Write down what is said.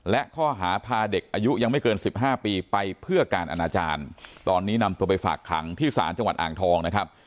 และข้อหาพาเด็กอายุยังไม่เกิน๑๕ปีไปเพื่อการอนาจารย์ตอนนี้นำตัวไปฝากขังที่ศาลจังหวัดอ่างทองนะครับ